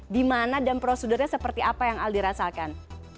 di mana dan prosedurnya seperti apa yang aldi rasakan